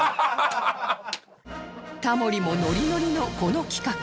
タモリもノリノリのこの企画